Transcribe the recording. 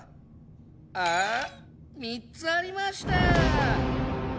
３つありました！